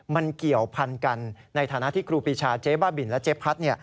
มันเกี่ยวพันกันในฐานะที่ครูปีชาเจ๊บ้าบินและเจ๊พัด